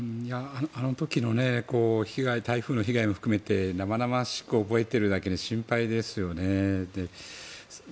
あの時の被害台風の被害も含めて生々しく覚えているだけに心配ですよね。